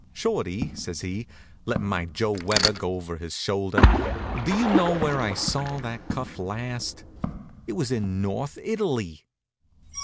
"Shorty," says he, lettin' my Joe Weber go over his shoulder, "do you know where I saw that cuff last? It was in North Italy!"